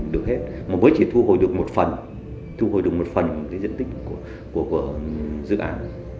được hết mà mới chỉ thu hồi được một phần thu hồi được một phần cái diện tích của dự án